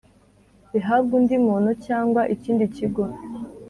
Bihabwe undi muntu cyangwa ikindi kigo